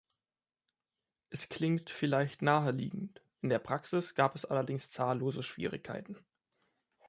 Es klingt vielleicht naheliegend, in der Praxis gab es allerdings zahllose Schwierigkeiten.